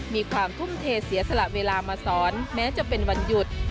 มีความทุ่มเทเสียสละเวลามาสอนแม้จะเป็นวันหยุด